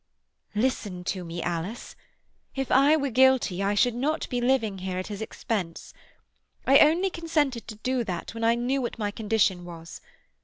"Listen to me, Alice. If I were guilty I should not be living here at his expense. I only consented to do that when I knew what my condition was.